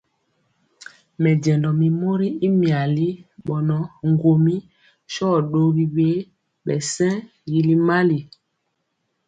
Mɛnjéndɔ mi mori y miali bɔnɔ ŋguomi sho ndori wiɛɛ bɛ shen yili mali.